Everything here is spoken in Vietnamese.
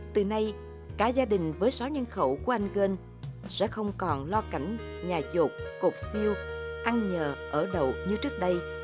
từ nay cả gia đình với sáu nhân khẩu của anh gơn sẽ không còn lo cảnh nhà chột cột siêu ăn nhờ ở đậu như trước đây